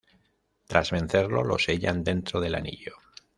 Tras vencerlo lo sellan dentro del anillo.